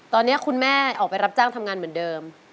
ตอนนี้คุณแม่ออกไปรับจ้างทำงานเหมือนเดิม